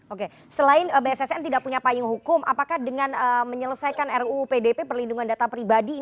oke selain bssn tidak punya payung hukum apakah dengan menyelesaikan ruu pdp perlindungan data pribadi